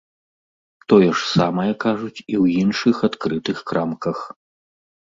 Тое ж самае кажуць і ў іншых адкрытых крамках.